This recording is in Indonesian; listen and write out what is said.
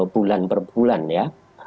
bulan per bulan ya